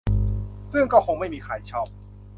ซึ่งก็คงไม่มีใครชอบ